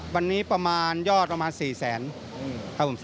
วันนี้ประมาณยอดประมาณ๔แสนครับผม